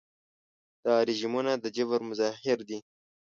دا رژیمونه د جبر مظاهر دي.